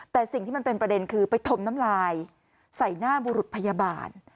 แต่สิ่งที่มันเป็นประเด็นคือไปถมน้ำลายใส่หน้าบุรุษพยาบาล